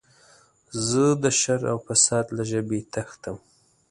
زه د شر او فساد له ژبې تښتم.